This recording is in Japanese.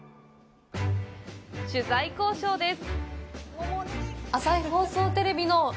取材交渉です。